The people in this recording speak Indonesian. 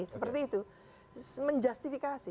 seperti itu menjustifikasi